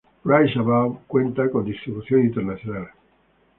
Rise Above cuanta con distribución internacional.